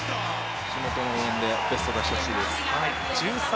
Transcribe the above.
地元の応援でベストを出してほしいです。